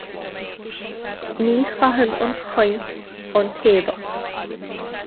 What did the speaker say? Ní chaitheann an chaint an t-éadach.